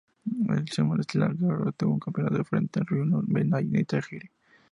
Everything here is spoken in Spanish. En "SummerSlam", Guerrero retuvo su campeonato frente a Rhyno, Benoit y Tajiri.